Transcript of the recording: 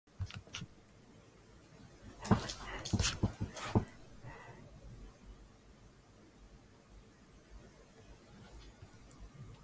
Watetela wazazi wake walikuwa François Tolenga Otetshima na Julienne Wamato Lomendja ambao walikuwa wafugaji